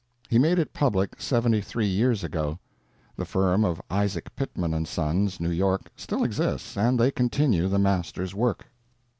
He made it public seventy three years ago. The firm of Isaac Pitman & Sons, New York, still exists, and they continue the master's work.